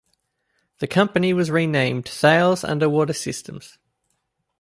The company was renamed Thales Underwater Systems.